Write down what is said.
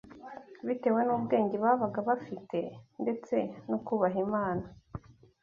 bitewe n’ubwenge babaga bafite ndetse no kubaha Imana